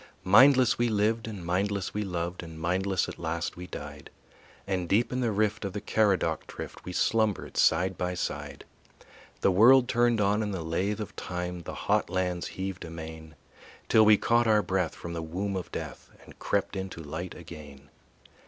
Mindless we lived and mindless we loved And mindless at last we died; And deep in the rift of the Caradoc drift We slumbered side by side. The world turned on in the lathe of time, The hot lands heaved amain, Till we caught our breath from the womb of death And crept into light again.